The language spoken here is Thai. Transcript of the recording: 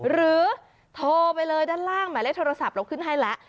หรือโทรไปเลยด้านล่างหมายเลขโทรศัพท์เราขึ้นให้แล้ว